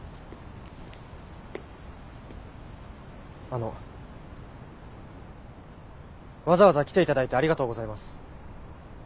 あのわざわざ来ていただいてありがとうございます。